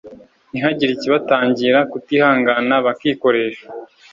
ntibagire ikibatangira kutihangana bakikoresha